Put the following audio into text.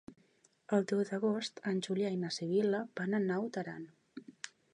El deu d'agost en Julià i na Sibil·la van a Naut Aran.